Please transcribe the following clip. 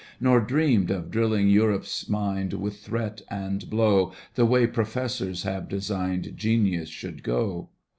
Nor dreamed of drilling Europe's mind With threat and blow The way professors have designed Genius should go